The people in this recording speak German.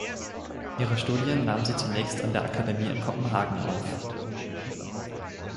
Ihre Studien nahm sie zunächst an der Akademie in Kopenhagen auf.